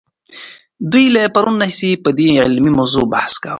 دوی له پرون راهیسې په دې علمي موضوع بحث کاوه.